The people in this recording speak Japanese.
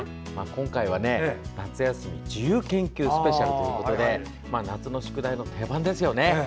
今回は「夏休み自由研究スペシャル！」ということで夏の宿題の定番ですよね。